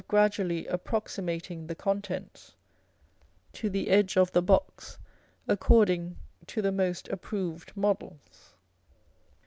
gradually approximating the contents to the edge of the box, according to the most approved models.